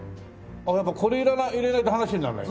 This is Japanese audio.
やっぱこれ入れないと話にならない。